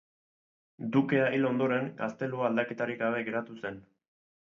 Dukea hil ondoren, gaztelua aldaketarik gabe geratu zen.